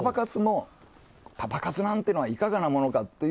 パパ活なんていうのはいかがなものかと。